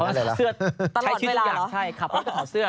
เพราะว่าเสื้อใช้ชิ้นทุกอย่างใช่ขับรถต้องถอดเสื้อ